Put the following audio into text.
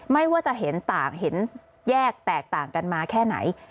ไม่ว่าจะเห็นต่างเห็นแยกแตกต่างกันมาแค่ไหน